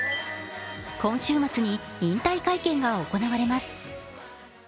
今週末に引退会見が行われます。